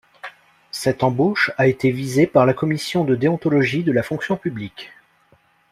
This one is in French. Cette embauche a été visée par la Commission de déontologie de la fonction publique.